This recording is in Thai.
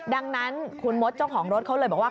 ดังนั้นคุณมดเจ้าของรถเขาเลยบอกว่า